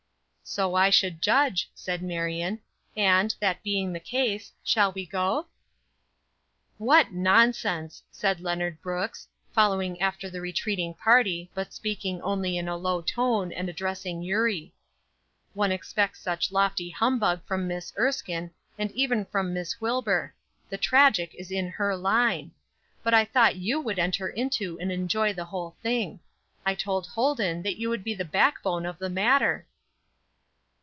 "So I should judge," Marion said. "And, that being the case, shall we go?" "What nonsense!" said Leonard Brooks, following after the retreating party, but speaking only in a low tone, and addressing Eurie. "One expects such lofty humbug from Miss Erskine, and even from Miss Wilbur the tragic is in her line; but I thought you would enter into and enjoy the whole thing. I told Holden that you would be the backbone of the matter."